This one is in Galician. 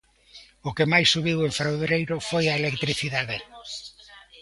O que máis subiu en febreiro foi a electricidade.